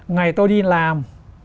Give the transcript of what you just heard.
ngày tôi đi làm